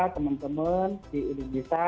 teman teman di indonesia